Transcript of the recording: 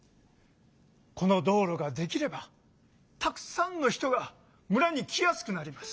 この道路ができればたくさんの人が村に来やすくなります。